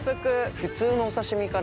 普通のお刺し身から。